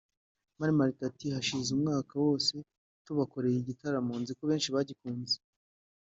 Mani Martin ati “ Hari hashize umwaka wose tubakoreye igitaramo nziko abenshi bagikunze